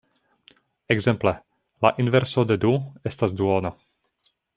Ekzemple: La inverso de du estas duono.